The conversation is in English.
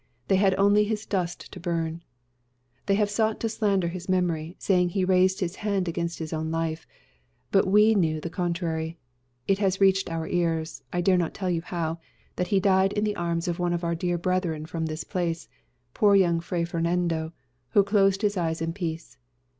They had only his dust to burn. They have sought to slander his memory, saying he raised his hand against his own life. But we knew the contrary. It has reached our ears I dare not tell you how that he died in the arms of one of our dear brethren from this place poor young Fray Fernando, who closed his eyes in peace.